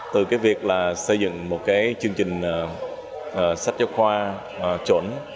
từ việc xây dựng một chương trình sách giáo khoa trộn